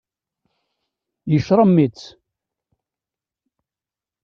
Yecṛem-itt.